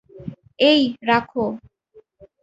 এই, রাখো।